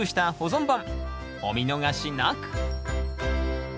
お見逃しなく。